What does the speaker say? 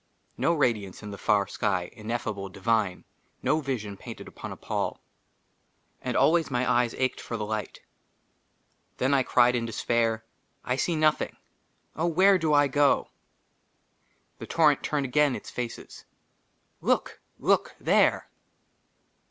NO RADIANCE IN THE FAR SKY, INEFFABLE, DIVINE ; NO VISION PAINTED UPON A PALL; AND ALWAYS MY EYES ACHED FOR THE LIGHT. THEN I CRIED IN DESPAIR, " I SEE NOTHING ! OH, WHERE DO I GO ?" THE TORRENT TURNED AGAIN ITS FACES :" LOOK ! LOOK ! THERE